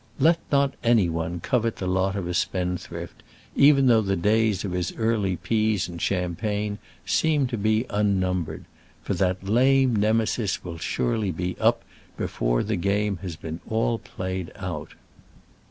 Let not any one covet the lot of a spendthrift, even though the days of his early pease and champagne seem to be unnumbered; for that lame Nemesis will surely be up before the game has been all played out.